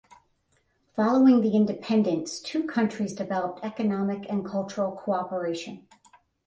Following the independence two countries developed economic and cultural cooperation.